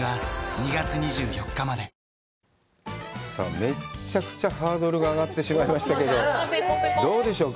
めっちゃくちゃハードルが上がってしまいましたけど、どうでしょうか。